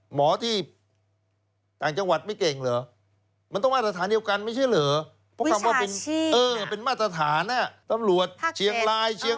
หมอที่ต่างจังหวัดไม่เก่งเหรอ